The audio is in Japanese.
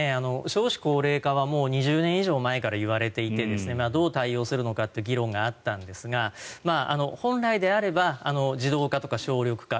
少子高齢化は２０年以上前からいわれていてどう対応するのかという議論があったんですが本来であれば自動化とか省力化